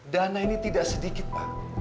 dana ini tidak sedikit pak